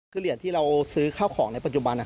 คือเหรียญที่เราซื้อข้าวของในปัจจุบัน